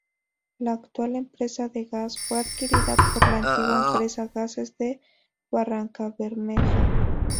La actual empresa de gas fue adquirida por la antigua empresa Gases De Barrancabermeja.